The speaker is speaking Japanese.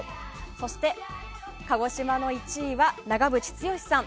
そして鹿児島の１位は長渕剛さん。